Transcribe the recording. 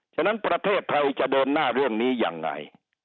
ฉะนั้นประเทศไทยจะเดินหน้าเรื่องนี้ยังไง